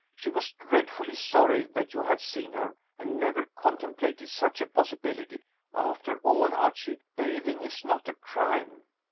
She was dreadfully sorry that you had seen her, and never contemplated such a possibility. After all, Archie, bathing is not a crime."